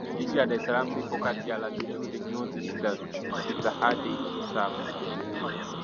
Jiji la Dar es Salaam lipo kati ya Latitudo nyuzi sitahadi saba